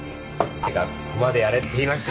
誰がここまでやれって言いました？